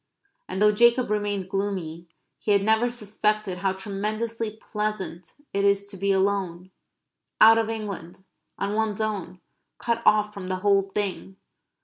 And though Jacob remained gloomy he had never suspected how tremendously pleasant it is to be alone; out of England; on one's own; cut off from the whole thing.